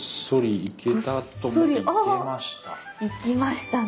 いきましたね。